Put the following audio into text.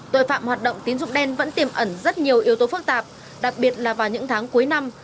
tội phạm hoạt động tín dụng đen vẫn tiềm ẩn rất nhiều yếu tố phức tạp đặc biệt là vào những tháng cuối năm